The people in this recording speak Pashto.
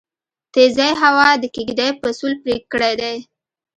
تيزې هوا د کيږدۍ پسول پرې کړی دی